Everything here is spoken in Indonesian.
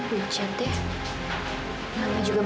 kthenole absorbing malah itu pas menjelang